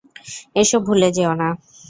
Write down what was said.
এসব ভুলে যেও না!